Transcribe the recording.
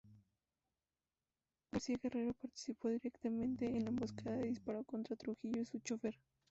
García Guerrero participó directamente en la emboscada y disparó contra Trujillo y su chofer.